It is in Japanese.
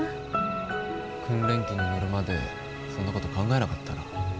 訓練機に乗るまでそんなこと考えなかったな。